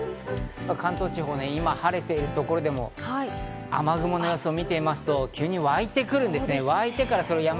関東地方、今晴れているところでも雨雲の予想を見てみますと急に湧いてくるんです。